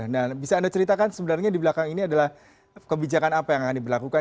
nah bisa anda ceritakan sebenarnya di belakang ini adalah kebijakan apa yang akan diberlakukan